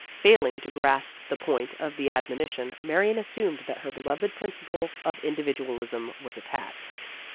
Failing to grasp the point of the admonition, Marion assumed that her beloved principle of in dividualism was attacked.